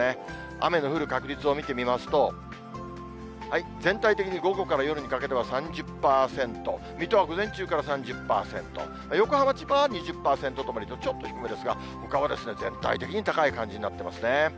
雨の降る確率を見てみますと、全体的に午後から夜にかけては３０％、水戸は午前中から３０％、横浜、千葉は２０％止まりと、ちょっと低めですが、ほかは全体的に高い感じになってますね。